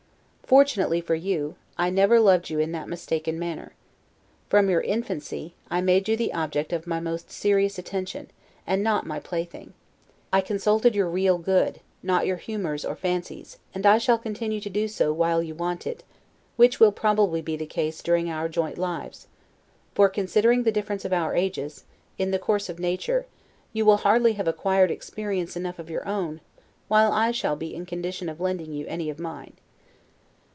Fortunately for you, I never loved you in that mistaken manner. From your infancy, I made you the object of my most serious attention, and not my plaything. I consulted your real good, not your humors or fancies; and I shall continue to do so while you want it, which will probably be the case during our joint lives; for, considering the difference of our ages, in the course of nature, you will hardly have acquired experience enough of your own, while I shall be in condition of lending you any of mine.